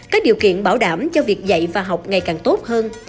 các điều kiện bảo đảm cho việc dạy và học ngày càng tốt hơn